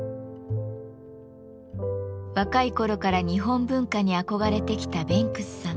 若い頃から日本文化に憧れてきたベンクスさん。